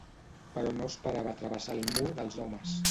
Però no esperava travessar el mur dels homes.